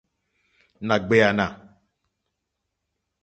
Nà ɡbèànà.